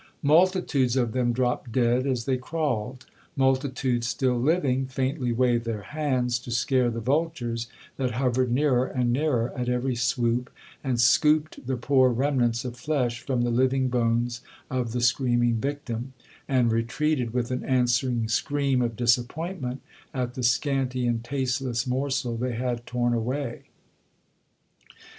'Multitudes of them dropt dead as they crawled. Multitudes still living, faintly waved their hands, to scare the vultures that hovered nearer and nearer at every swoop, and scooped the poor remnants of flesh from the living bones of the screaming victim, and retreated, with an answering scream of disappointment at the scanty and tasteless morsel they had torn away.